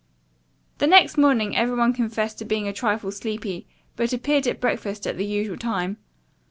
The next morning every one confessed to being a trifle sleepy, but appeared at breakfast at the usual time.